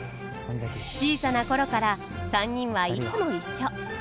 小さな頃から３人はいつも一緒。